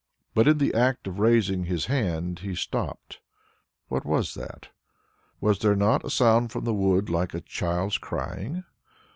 But in the act of raising his hand he stopped. What was that? Was there not a sound from the wood like a child's crying?